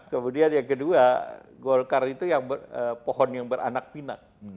kemudian yang kedua golkar itu yang pohon yang beranak pinak